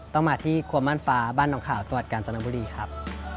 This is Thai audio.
ต้องมาที่ครัวม่านฟ้าบ้านน้องขาวจังหวัดกาญจนบุรีครับ